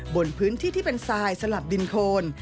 บนพื้นที่ที่เป็นทรายสลับดินโคน